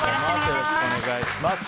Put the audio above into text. よろしくお願いします。